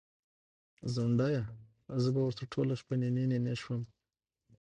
ځونډیه! زه به ورته ټوله شپه نینې نینې شوم